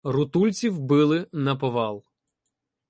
Рутульців били наповал.